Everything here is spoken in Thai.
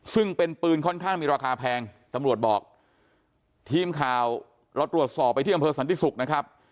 ซึ่งเป็นปืนค่อนข้างมีราคาแพงตำรวจบอกทีมข่าวเราตรวจสอบไปที่อำเภอสันติศุกร์นะครับ